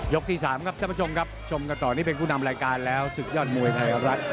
ที่๓ครับท่านผู้ชมครับชมกันต่อนี่เป็นผู้นำรายการแล้วศึกยอดมวยไทยรัฐ